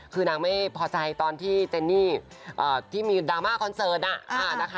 คือนางไม่พอใจตอนที่เจนนี่ที่มีดราม่าคอนเสิร์ต